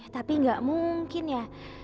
tapi gak mungkin ya